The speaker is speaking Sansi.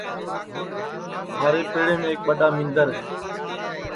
مھارے پیڑیم ایک ٻڈؔا مندر ہے